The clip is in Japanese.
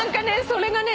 それがね